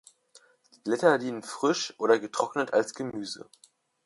Die Blätter dienen frisch oder getrocknet als Gemüse.